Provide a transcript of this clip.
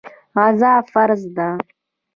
غزا فرض ده.